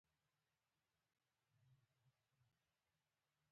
رسنۍ د عامه پوهاوي لپاره کار کوي.